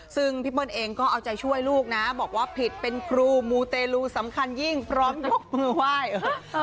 ซึ่งพี่เปิ้ลเองก็เอาใจช่วยลูกนะบอกว่าผิดเป็นครูมูเตลูสำคัญยิ่งพร้อมยกมือไหว้